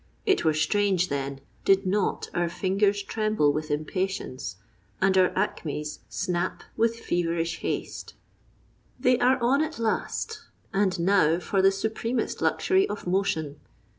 It were strange, then, did not our fingers tremble with impatience and our acmes snap with feverish haste. They are on at last, and now for the supremest luxury of motion.